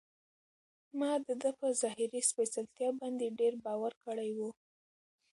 ما د ده په ظاهري سپېڅلتیا باندې ډېر باور کړی و.